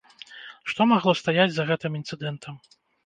Што магло стаяць за гэтым інцыдэнтам?